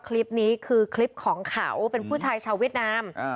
คลิปนี้คือคลิปของเขาเป็นผู้ชายชาวเวียดนาม